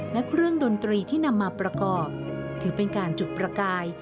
และเครื่องดนตรีที่นำมาประกอบถือเป็นการจุดประกาย